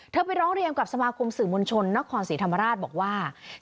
ไปร้องเรียนกับสมาคมสื่อมวลชนนครศรีธรรมราชบอกว่า